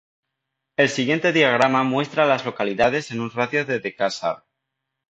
El siguiente diagrama muestra a las localidades en un radio de de Casar.